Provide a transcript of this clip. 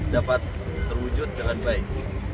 dapat terwujud dengan baik